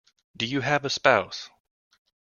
Do you have a spouse?